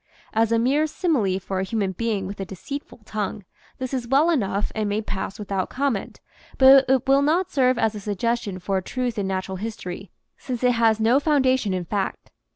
As a mere simile for a human being with a deceitful tongue, this is well enough and may pass without comment, but it will not serve as a suggestion for a truth in natural history, since it has no foundation in fact.